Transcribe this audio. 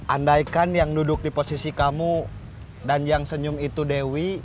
andaikan yang duduk di posisi kamu dan yang senyum itu dewi